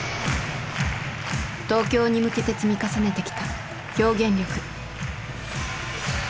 東京に向けて積み重ねてきた表現力。